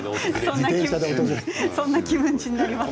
そんな気持ちになりますね。